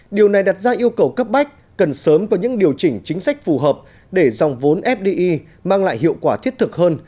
điều này đặt ra yêu cầu cấp bách cần sớm có những điều chỉnh chính sách phù hợp để dòng vốn fdi mang lại hiệu quả thiết thực hơn